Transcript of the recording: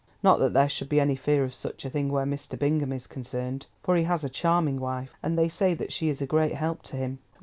Not that there should be any fear of such a thing where Mr. Bingham is concerned, for he has a charming wife, and they say that she is a great help to him.